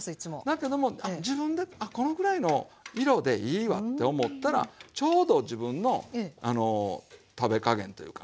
だけども自分でこのくらいの色でいいわって思ったらちょうど自分の食べ加減というかね